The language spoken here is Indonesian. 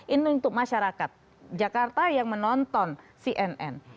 ini untuk masyarakat jakarta yang menonton cnn